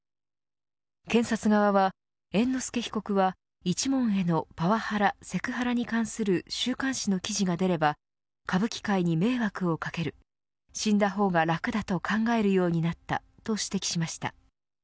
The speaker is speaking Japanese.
検察側は、猿之助被告は一門へのパワハラ・セクハラに関する週刊誌の記事が出れば歌舞伎界に迷惑をかける死んだほうが楽だと考えるようになったと指摘しました。